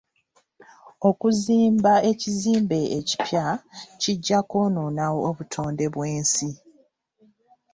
Okuzimba ekizimbe ekipya kijja kwonoona obutonde bw'ensi.